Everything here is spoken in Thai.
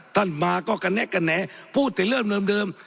ท่านมาก็กระแนะกระแหนพูดแต่เริ่มเดิม